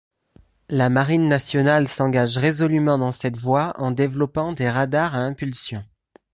La marine nationale s'engage résolument dans cette voie en développant des radars à impulsions.